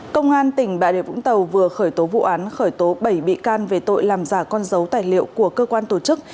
công an tỉnh bà rịa vũng tàu vừa khởi tố vụ án khởi tố bảy bị can về tội làm giả con dấu tài liệu của cơ quan tổ chức